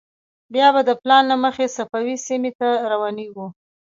بیا به د پلان له مخې صفوي سیمې ته روانېږو.